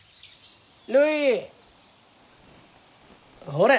ほれ。